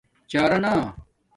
چرانݳ